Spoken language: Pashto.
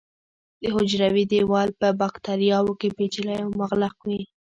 د حجروي دیوال په باکتریاوو کې پېچلی او مغلق وي.